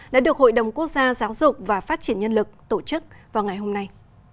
đã được hội đồng quốc gia giáo dục và phát triển nhân lực tổ chức vào ngày hôm nay